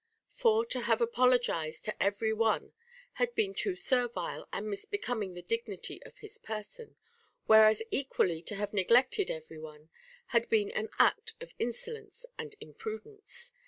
* For to have apologized to every one had been too servile and misbecoming the dignity of his person ; whereas equally to have neglected every one had been an act of insolence and imprudence.